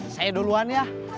saya duluan ya